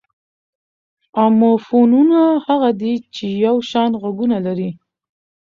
اموفونونه هغه دي، چي یو شان ږغونه لري.